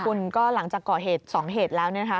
กลุ่มคุณก็หลังจากก่อเหตุสองเหตุแล้วนะคะ